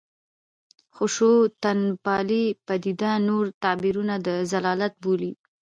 خشونتپالې پدیده نور تعبیرونه د ضلالت بولي.